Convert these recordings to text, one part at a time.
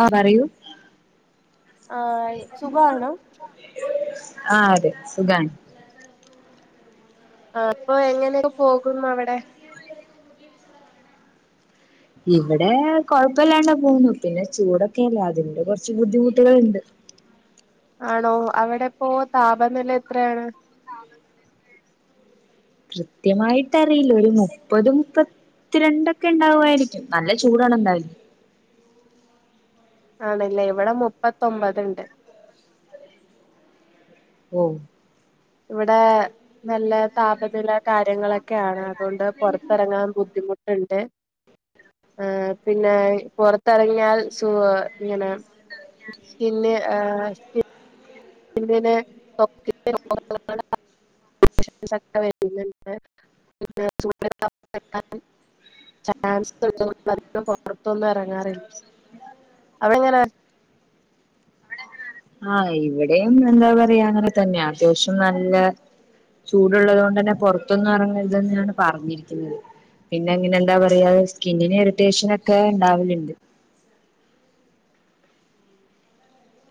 ആഹ് പറയൂ. ആഹ് സുഖാനോ? ആഹ് അതെ സുഖാൻ. ആഹ് അപ്പൊ എങ്ങനെ [inaudible] പോകും അവടെ? ഇവിടെ കൊഴപ്പില്ലാണ്ടാ പോന്നു പിന്നെ ചൂടൊക്കെയല്ലേ അതിന്റെ കുറച്ച് ബുദ്ധിമുട്ടുണ്ട്. ആണോ അവിടെ ഇപ്പോ താപനില എത്രയാണ്? ത [unintelligible] കൃത്യമായിട്ടറിയില ഒരു മുപ്പത് മുപ്പ ത്തി രണ്ടൊക്കെ ഉണ്ടാവു ആയിരിക്കും നല്ല ചൂടാണ് എന്തായാലും. ആണല്ലെ ഇവിടെ മുപ്പത്തൊമ്പതിണ്ട്. ഓ. ഇവിടെ നല്ല താപനില കാര്യങ്ങളൊക്കെയാണ് അതുകൊണ്ട് പുറത്തിറങ്ങാൻ ബുദ്ധിമുട്ടുണ്ട്. ഉ [unintelligible] ആ പിന്നെ പുറത്തിറങ്ങിയാൽ സൂ ഇങ്ങനെ ആ [unintelligible] പിന്നെ ആഹ പിെക്ക [inaudible] ഒക്കെ വരണ്ട് [inaudible] ചൻസുണ്ട് അധികം പുറത്തൊന്നും ഇറങ്ങാറില്ല അവിടെങ്ങനെ ആഹ ഇവിടെയും എന്താ പറയാ അങ്ങനെ തന്നെയാ അത്യാവശ്യം നല്ല ചൂടുള്ളത് കൊണ്ട് തന്നെ പുറത്തൊന്നും ഇറങ്ങരുതെന്നെയാണ് പറഞ്ഞിരിക്കുന്നത് പിന്നെ ഇങ്ങനെ എന്താ പറയാ സ്കിന്നിന് ഇരിട്ടേഷനൊക്കെ ഉണ്ടാവലുണ്ട്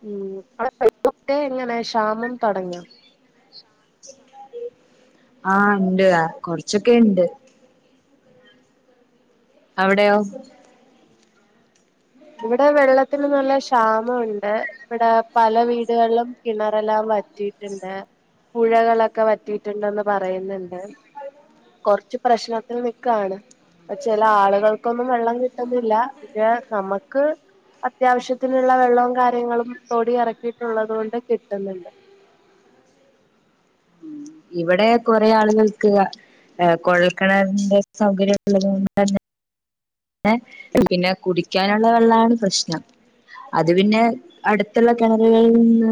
ഉം അവിടെ പട്ടെ എങ്ങനെ ക്ഷാമം തൊടങ്ങിയൊ ആഹ ഉണ്ട് കൊറച്ചൊക്കെ ഉണ്ട് അവിടെയോ ഇവിടെ വെള്ളത്തിന് നല്ല ക്ഷാമൊ ണ്ട് ഇവിടെ പല വീടുകളിലും കിണറല്ലാം വറ്റീട്ടുണ്ട് പുഴകളൊക്കെ വറ്റീട്ടുണ്ടെന്ന് പറയുന്നുണ്ട് കൊറച്ച് പ്രശ്നത്തിൽ നിക്കാണ് ചെല ആളുകൾക്കൊന്നും വെള്ളം കിട്ടന്നില്ല പിന്നെ നമ്മക്ക് അത്യാവശ്യത്തിനുള്ള വെള്ളവും കാര്യങ്ങളും തൊടി ഇറക്കിയിട്ടുള്ളത് കൊണ്ട് കിട്ടുന്നുണ്ട് ഇവിടെ കുറേ ആളുകൾക്ക് ആ കൊഴൽക്കിണറിന്റെ സൗകര്യം ഉള്ളത് കൊണ്ട് തന്നെ പിന്നെ കുടിക്കാനുള്ള വെള്ളമാണ് പ്രശ്നം. അത് പിന്നെ അടുത്തുള്ള കിണറുകളിൽ നിന്ന്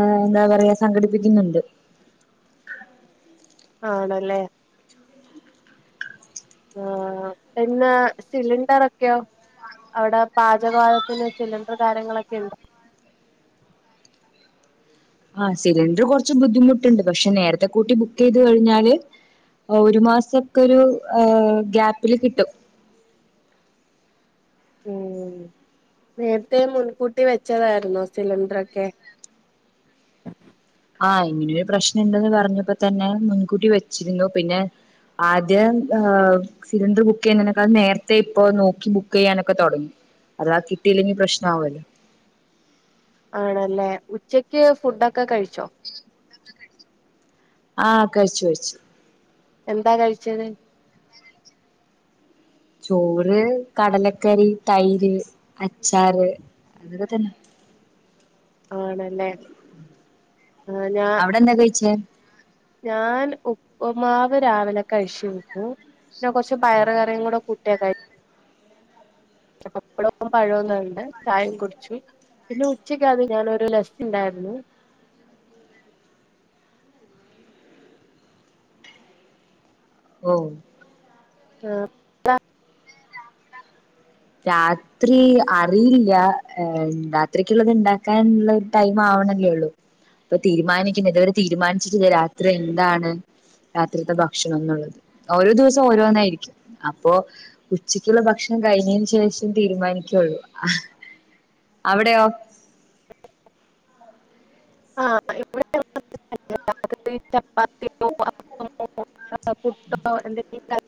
ആഹ് എന്താ പറയാ സംഘടിപ്പിക്കുന്നുണ്ട്. ആണല്ലേ? ആ പിന്നെ സിലിണ്ടർ ഒക്കെയോ? അവിടെ പാചകവാതത്തിന് സിലിണ്ടർ കാര്യങ്ങളൊക്കെ ഉണ്ടൊ - ആ സിലിണ്ടർ കുറച്ച് ബുദ്ധിമുട്ടുണ്ട് പക്ഷെ നേരത്തെ കൂട്ടി ബുക്കെയ് ത് കഴിഞ്ഞാല് ഒരു മാസം ഒക്കെ ഒരു ഗ്യാപ്പില് കിട്ടും. ഉം നേരത്തെ മുൻകൂട്ടി വെച്ചതായി രുന്നോ സിലിണ്ടർ ഒക്കെ? ആഹ് ഇങ്ങനെയൊരു പ്രശ്നൊണ്ട് ന്ന് പറഞ്ഞപ്പൊ ത്തന്നെ മുൻകൂട്ടി വെച്ചിരുന്നു. പിന്നെ ആദ്യം ഹ് സിലിണ്ടർ ബുക്കെയ്യുന്ന തിനൊക്കെ നേരത്തെ ഇപ്പ നോക്കി ബുക്കെയ്യാനൊക്കെതൊടങ്ങി. അതാ കിട്ടിയില്ലെങ്കി പ്രശ്നാ വുമല്ലോ? ആണല്ലേ? ഉച്ചക്ക് ഫുഡൊക്കെ കഴിച്ചോ? ആ കഴിച്ചു കഴിച്ചു. എന്താ കഴിച്ചത്? ചോറ്, കടലക്കറി, തൈര്, അച്ചാര് അതൊക്കെ തന്ന. ആണല്ലേ ആ ഞാ അവിടെ എന്താ കഴിച്ചേ ഞാൻ ഉപ്പ്മാവ് രാവിലെ കഴിച്ചിരുന്നു. ഞാൻ കുറച്ച് പയറുകറിയും കൂടെ കൂട്ടിയാ കഴി പപ്പടവും പഴവും ഉണ്ട് ചായയും കുടിച്ചു. പിന്നെ ഉച്ചക്ക് അത് ഞാനൊരു ലസ്റ്റ് ഉണ്ടായിരുന്നു. ഓ ആ രാ ത്രി അറിയില്ല രാത്രിക്കുള്ളത് ഉണ്ടാക്കാനുള്ളൊരു ടൈം ആവണല്ലേള്ളു. ഇപ്പൊ തീരുമാനിക്കുന്നത് ഇതുവരെ തീരുമാനിച്ചിട്ടില്ല രാത്രി എന്താണ് രാത്രിത്തെ ഭക്ഷണംഎന്നുള്ളത് ഓരോ ദിവസം ഓരോന്നായിരിക്കും. അപ്പോ ഉച്ചക്കുള്ള ഭക്ഷണം കഴിഞ്ഞ ശേഷം തീരുമാനിക്കുള്ളൂ. അവിടെയോ? [unintelligible] ഹും [unintelligible] പുട്ടോ എന്തങ്കിലും ഉണ്ടാക്കും.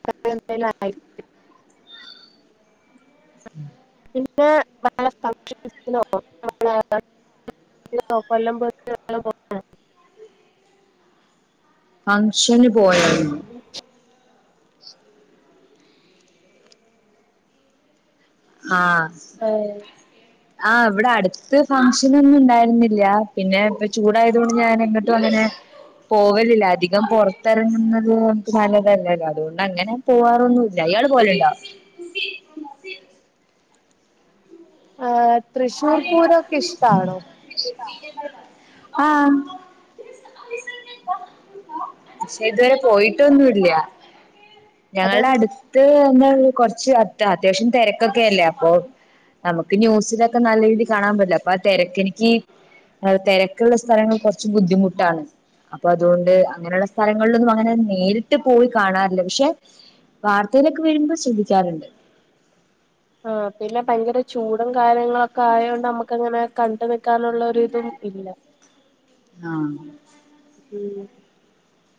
[unintelligible] പിന്നെ [unintelligible] [unintelligible] ഫങ്ഷന് പോയായിരുന്നോ? [unintelligible] ആഹ് ആഹ് ആ ഇവിടെ അടുത്ത് ഫംഗ്ഷൻ ഒന്നു ഉണ്ടായിരുന്നില്ല. പിന്നെ ഇപ്പ ചൂടായതുകൊണ്ട് ഞാൻ ഇങ്ങട്ടും അങ്ങനെ പോവലില്ല അധികം പുറത്തിറങ്ങുന്നത് നമ്മക്ക് നല്ലതല്ലല്ലോ? അതുകൊണ്ട് അങ്ങനെ പോവാറൊന്നുഇല്ല. ഇയാള് പോവലുണ്ടോ? ആഹ് തൃശ്ശൂർ ഹും പൂരൊക്കെ ഇഷ്ടാണോ ആഹ് പക്ഷെ ഇതുവരെ പോയിട്ടൊന്നും ഇല്ല അതെ ഞങ്ങളുടെ അടുത്ത് ത കുറച്ച് അത്യാവശ്യം തിരക്കൊകെയല്ലേ. അപ്പോ നമുക്ക് ന്യൂസിലൊ നല്ല രീതി കാണാൻ പറ്റില്ല. അപ്പൊ ആ തിരക്കെനിക്ക് അ തിരക്കുള്ള സ്ഥലങ്ങൾ കുറച്ച് ബുദ്ധിമുട്ടാണ് അപ്പൊ അതുകൊണ്ട് അങ്ങനെയുള്ള സ്ഥലങ്ങളിലൊന്നും അങ്ങനെ നേരിട്ട് പോയി കാണാറില്ല. പക്ഷെ വാർത്തയിലൊക്കെ വരുമ്പോൾ ശ്രദ്ധിക്കാറുണ്ട്. ആ പിന്നെ ഭയങ്കര ചൂടും കാര്യങ്ങളുംൊക്കെ ആയൊണ്ട് നമ്മുക്ക് അങ്ങനെ കണ്ടു നിൽക്കാനുള്ള ഒരുതും ഇല്ല ആഹ്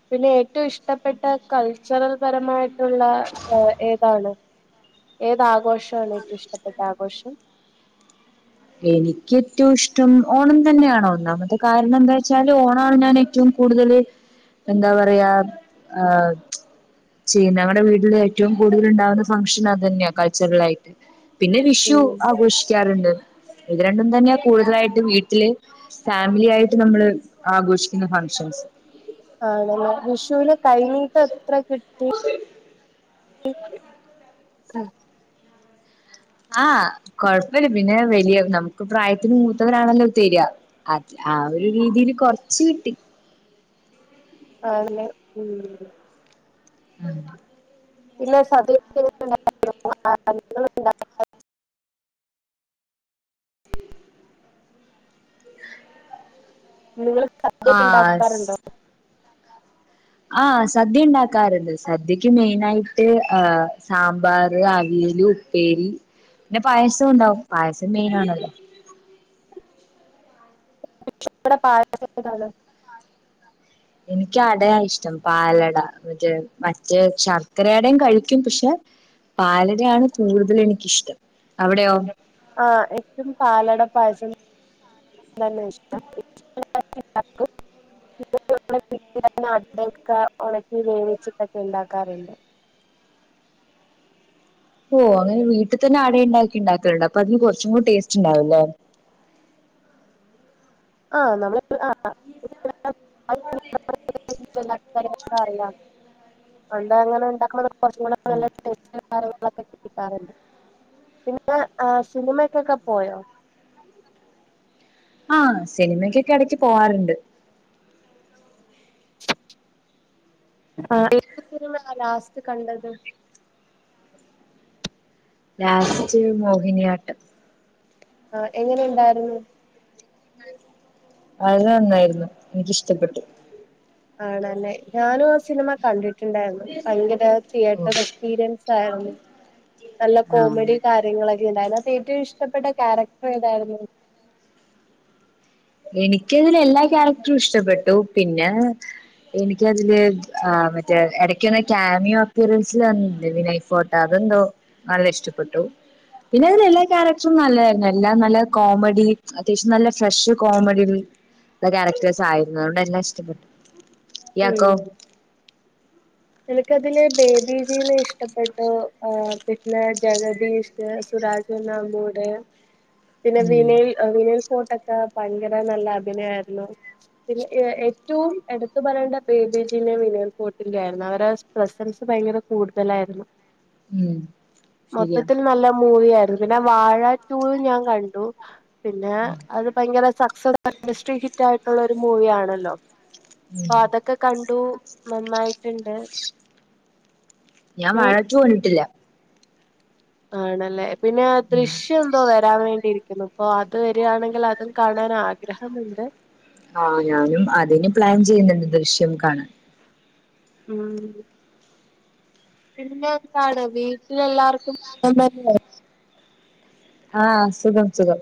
പിന്നെ ഏറ്റവും ഇഷ്ടപ്പെട്ട ച്ചറൽ പരമായിട്ടുള്ള ഏതാണ് ഏതാഘോഷ ഇഷ്ടപ്പെട്ട ആഘോഷം എനിക്ക് ഏറ്റവും ഇഷ്ടം ഓണം തന്നെയണോ ഒന്നാമത്തെ കാരണം എന്താ വെച്ചാല് ഓണം ഞാൻ ഏറ്റവും കൂടുതല് എന്താ പറയാ ആഹ ചെയ്യ മ്മടെ വീട്ടില് ഏറ്റവും കൂടുതൽ ഉണ്ടാവുന്ന ഫംഗ്ഷൻ അത് തന്നെയാ കൾച്ചറൽ ആയിട്ട് പിന്നെ വിഷു ഉം ആഘോഷിക്കാറുണ്ട്. ഇത് രണ്ടും തന്നെയാ കൂടുതലായിട്ട് വീട്ടില് ഫാമിലി ആായിട്ട് നമ്മള് ആഘോഷിക്കുന്ന ഫംഗഷൻസ് ആണ വിഷുവിന് കൈനീട്ടം എത്ര കിട്ടി ആഹ് ആഹ് കൊഴപ്പില്ല പിന്നെ വലിയ നമുക്ക് പ്രായത്തിന് മൂത്തവരാണല്ലോ തരിയാ അ ആ ഒരു രീതിയില് കൊറച്ച് കിട്ടി ആ ഉം ഇല്ല നിങ്ങൾ സദ്യക്ക ആഹ് ഉണ്ടാക്കാറുണ്ടോ? ആ സദ്യ ഉണ്ടാക്കാറുണ്ട്. സദ്യക്ക് മെയിന ആായിട്ട് ആ സാമ്പാർ അവിയൽ പിന്നെ പായസം ഉണ്ടാവും പായസം മെയിന ആണല്ലോ പായസം എനിക്ക് അടയാ ഇഷ്ടം പാലട മറ്റേ മറ്റേ ശർക്കരടയും കഴിക്കും പക്ഷെ പാലടയാണ് കൂടുതൽ എനിക്കിഷ്ടം അവിടെ ആഹ് ഏറ്റവും പാലട പായസം തന്നെ ഇഷ്ടം ഹും ക്ക ഉണക്കി വേവിച്ചിട്ടൊക്കെ ഉണ്ടാക്കാറുണ്ട് ഓഹ് അങ്ങനെ വീട്ട്തന്നെ അടയിണ്ടാക്കി ഇണ്ടാക്കല്ണ്ട് അപ്പൊ അതിന് കൊറച്ച്ക്കൂട് സ്റ്റ്ണ്ടാവല്ലോ ഉണ്ടാവുംല്ലേ ആഹ് നമ്മള് എപ്പള് ആഹ് ബഹ [unintelligible] അറിയാം അഹ് എന്താ അങ്ങനെ ഇണ്ടാക്ക്ണെ [unintelligible] [unintelligible] കേക്കാറുണ്ട് പിന്നെ സിനിമക്കൊക്കെ പോയോ ആഹ് സിനിമക്ക്യൊക്കെ എടക്ക് പോവാറ്ണ്ട് ആഹ് ഏത് ഫിലീമാ ആഹ് ലാസ്റ്റ് കണ്ടത് ലാസ്റ്റ് മോഹിനിയാട്ടം ആഹ് എങ്ങനെ ഇണ്ടാരുന്നു ആഹ് അത് നന്നായിരുന്നു ഇന്ക്കിഷ്ടപ്പെട്ടു ആണല്ലേ ഞാനും ആ സിനിമ കണ്ടിട്ടുണ്ടാരുന്നു ഭയങ്കര ഓ തിയേറ്റർ എക്സ്പീരിയൻസ് ആരുന്നു നല്ല കോമഡി ആഹ് കാര്യങ്ങളൊക്കെ ഇണ്ടാരുന്നു അതെ ഏറ്റവും ഇഷ്ടപ്പെട്ട ക്യാരക്ടർ ഏതായിരുന്നു എനിക്ക്യതില് എല്ലാ ക്യാരക്ടറും ഇഷ്ടപ്പെട്ടു പിന്നെ എനിക്ക്യതില് ആഹ്‌ മറ്റേ എടക്ക്യ് വന്ന ക്യാമിയോ അപ്പീറൻസ് അർഞ്ഞീല്ലേ വിനയ് ഫോ അതെന്തോ നല്ല ഇഷ്ടപ്പെട്ടു പിന്നെ അതിലെ എല്ലാ ക്യാരക്ടറും നല്ലതാരുന്നു എല്ലാ നല്ല കോമഡി അത്യാവശ്യം നല്ല ഫ്രഷ് [unintelligible] ക്യാരക്ടേഴ്സായിരുന്നു അതോണ്ടല്ലാം ഇഷ്ടപ്പെട്ടു ഇയാക്കോ ഉം എനിക്കതില് ബേബി ജീനെ ഇഷ്ടപ്പെട്ടു ആഹ് പിന്നെ ജഗദീഷ് പിന്നെ സുരാജ് വെഞ്ഞാർമൂട് പിന്നെ ഉം വിനയ് ഏഹ് വിനയ് ഫോർട്ടൊക്കെ ഭയങ്കര നല്ല അഭിനയാരുന്നു പിന്നെ എ ഏറ്റവും എടുത്തു പറയേണ്ട ബേബി ജിനെ വിനയ് ഫോർട്ടിന്റെ ആരുന്നു പിന്നെ അവരെ പ്രെസൻസ് ഭയങ്കര കൂടുതലേരുന്നു ഉം ശരിയാ മൊത്തത്തിൽ നല്ല മൂവിയാരുന്നു പിന്നെ വാഴ ടുവും ഞാൻ കണ്ടു പിന്നെ ഉം അത് ഭയങ്കര സക്സസ് [unintelligible] ഇൻഡസ്ട്രി ഹിറ്റായിട്ടുള്ള ഒരു മൂവിയാണല്ലോ അപ്പ അതൊക്കെ കണ്ടു നന്നായിറ്റ്ണ്ട്. ഞാൻ വാഴ ടു കണ്ട്ട്ടില്ല ആണല്ലേ പിന്നെയാ ഉം ദൃശ്യം [unintelligible] വരാൻ വേണ്ടിയിരിക്കുന്നു ഇപ്പൊ അത് വെരിയാണെങ്കിൽ അതും കാണാൻ ആഗ്രഹമുണ്ട് ആഹ് ഞാനും അതിന് പ്ലാൻ ചെയ്യുന്നുണ്ട് ദൃശ്യം കാണാൻ ഉം പിന്നെ എന്താണ് വീട്ടില് എല്ലാർക്കും സുഖം തന്നെ ആഹ് സുഖം സുഖം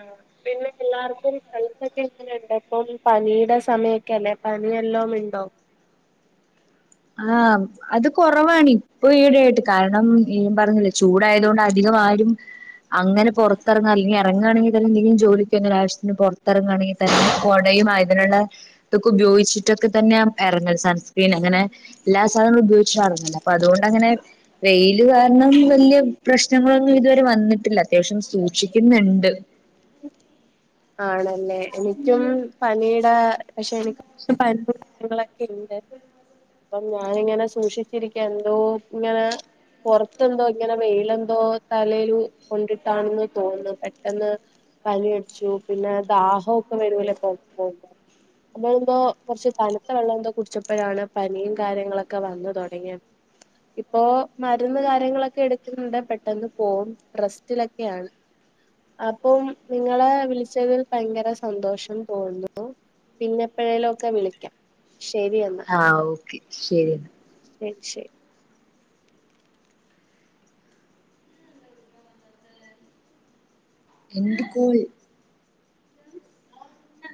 ആഹ് പിന്നെ എല്ലാർക്കും ഹെൽത്തൊക്കെ എങ്ങനെയുണ്ട് ഇപ്പം പനീടെ സമയൊക്കെ അല്ലെ പനി വല്ലോംമിണ്ടോ [inaudible] ആഹ് അത് കൊറവാണ് ഇപ്പൊ ഈയിടെ ആയിട്ട് കാരണം ഏഹ് പറ്ഞ്ഞില്ലേ ചൂടായത് കൊണ്ട് അധികവാരും അങ്ങനെ പൊറ്ത്തറങ്ങാ അല്ലെങ്കി എറങ്ങാണെങ്കി തന്നെ എന്തെങ്കിലും ജോലിക്കോ അല്ലേ ആവശ്യത്തിനോ പൊറ്ത്തറങ്ങാണെങ്കി തന്നെ കൊടയും ആഹ് ഇതിനുള്ള ഇതൊക്കെ ഉപയോഗിച്ചിട്ടൊക്കെ തന്നെ എറങ്ങൽ സൺസ്ക്രീൻ അങ്ങനെ എല്ലാ സാധനങ്ങളും ഉപയോഗിച്ചി നടന്നില്ല അപ്പൊ അതുകൊണ്ടങ്ങനെ വെയില് കാരണം വെല്ല്യ പ്രശ്നങ്ങളൊന്നും ഇതുവരെ വന്നിട്ടില്ല അത്യാവശ്യം സൂക്ഷിക്ക്യിന്ന്ണ്ട് ആണല്ലേ പിന്നെ എനിക്ക്യും പനീടെ പക്ഷേ എനിക്ക് [unintelligible] ഇണ്ട് അപ്പം ഞാന്ങ്ങനെ സൂക്ഷിച്ചിരിക്കാ എന്തോ ഇങ്ങനെ പൊറ്ത്തെന്തോ ഇങ്ങനെ വെയിലെന്തോ തലേലു കൊണ്ടിട്ടാണെന്ന് തോണ്ന്ന് പെട്ടെന്ന് പനിയട്ച്ചു പിന്നെ ദാഹൊക്കെ വരൂലെ [unintelligible] അന്നെന്തോ കൊറച്ച് തണ്ത്ത വെള്ളന്തോ കുടിച്ചപ്പഴാണ് പനിയും കാര്യങ്ങളൊക്കെ വന്ന് തൊടങ്ങിയ ഇപ്പോ മരുന്ന് കാര്യങ്ങളൊക്കെ എട്ക്ക്ന്ന്ണ്ട് പെട്ടെന്ന് പോവും റസ്റ്റിലൊക്കെയാണ് അപ്പം നിങ്ങളെ വിളിച് വിളിച്ചതിൽ ഭയങ്കര സന്തോഷം തോന്നുന്നു പിന്നെപ്പോഴേലുമൊക്കെ വിളിക്കാം ശരി എന്നാ ആഹ് ഓക്കെ ശരിയെന്നാ [unintelligible] എന്ത് കോൾ